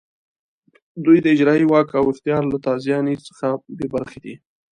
دوی د اجرایې واک او اختیار له تازیاني څخه بې برخې دي.